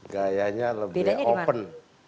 gaya nya lebih open